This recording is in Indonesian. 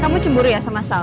kamu cemburu ya sama sal